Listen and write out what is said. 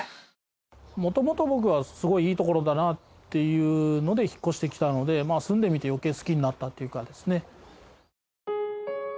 もともと僕はすごくいい所だなっていうので引っ越してきたので住んでみて余計好きになったっていうかですね。